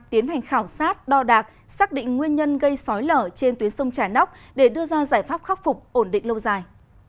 tiến hành khảo sát đo đạc xác định nguyên nhân gây sói lở trên tuyến sông trà nóc để đưa ra giải pháp khắc phục ổn định lâu dài